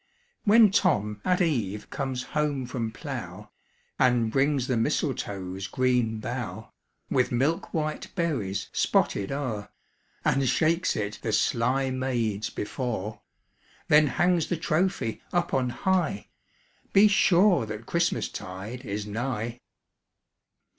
When Tom at eve comes home from plough, And brings the mistletoe's green bough, With milk white berries spotted o'er, And shakes it the sly maids before, Then hangs the trophy up on high, Be sure that Christmas tide is nigh.